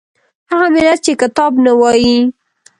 هغه ملت چې کتاب نه وايي